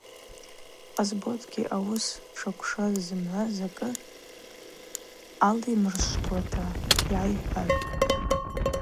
Къасботгьи ауыс шаквшваз зымгӏва закӏы алйымрышвтуата йгӏайхӏвахтӏ.